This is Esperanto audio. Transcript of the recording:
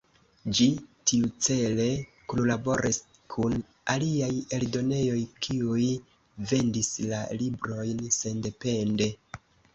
Ĝi tiucele kunlaboris kun aliaj eldonejoj kiuj vendis la librojn sendepende.